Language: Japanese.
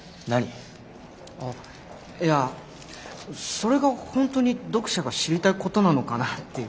それが本当に読者が知りたいことなのかなって。